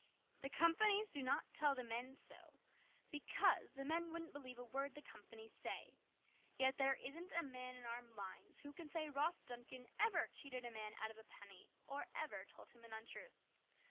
" The companies do not tell the men so because the men wouldn't believe a word the companies say. Yet there isn't a man in our mines who can say Ross Duncan ever cheated a man out of a penny or ever told him an untruth.